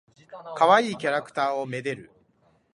かわいいキャラクターを愛でる。